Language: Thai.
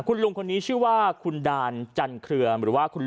คุณลุงคนนี้ชื่อว่าคุณดานจันทรงเขือม